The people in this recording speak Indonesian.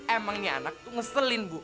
emang ini anak tuh ngeselin bu